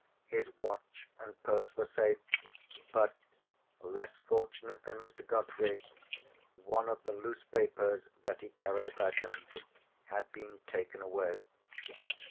His watch and purse were safe, but (less fortunate than Mr. Godfrey) one of the loose papers that he carried about him had been taken away.